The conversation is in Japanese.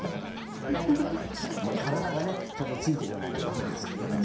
体がねちゃんとついていかないとダメですけどね